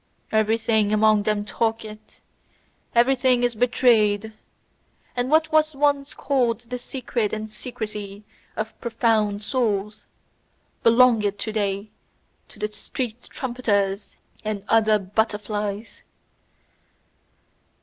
Everything among them talketh, everything is betrayed. And what was once called the secret and secrecy of profound souls, belongeth to day to the street trumpeters and other butterflies.